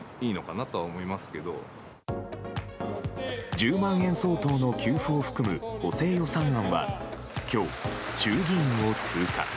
１０万円相当の給付を含む補正予算案は今日、衆議院を通過。